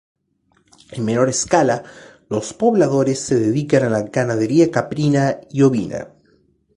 En menor escala los pobladores se dedican a la ganadería caprina y ovina.